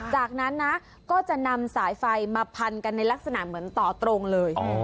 จากนั้นนะก็จะนำสายไฟมาพันกันในลักษณะเหมือนต่อตรงเลย